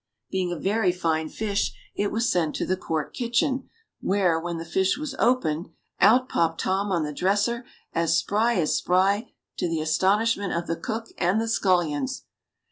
Being a very fine fish it was sent to the Court kitchen, where, when the fish was opened, out popped Tom on the dresser, as spry as spry, to the astonishment of the cook and the scullions